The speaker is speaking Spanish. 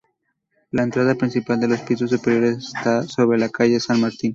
La entrada principal a los pisos superiores está sobre la calle San Martín.